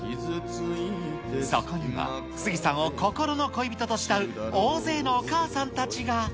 そこには杉さんを心の恋人と慕う大勢のお母さんたちが。